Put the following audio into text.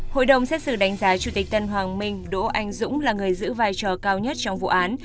hội đồng xét xử đánh giá chủ tịch tân hoàng minh đỗ anh dũng là người giữ vai trò cao nhất trong vụ án